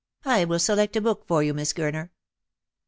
I will select a book tor you, Miss Gurner."